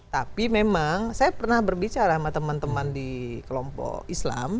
tapi memang saya pernah berbicara sama teman teman di kelompok islam